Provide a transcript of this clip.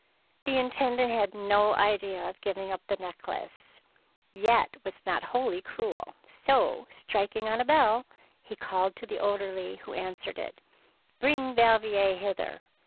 The Intendant had no idea of giving up the necklace, yet was not wholly cruel ; so, striking on a bell, he called to the orderly who answered it, —" Bring Valvier hither."